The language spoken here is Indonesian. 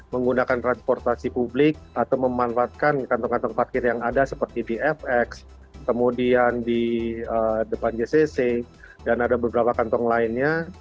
menggunakan transportasi publik atau memanfaatkan kantong kantong parkir yang ada seperti di fx kemudian di depan jcc dan ada beberapa kantong lainnya